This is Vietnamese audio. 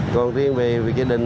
còn riêng về việc gia đình